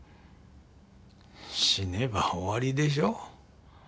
死ねば終わりでしょ？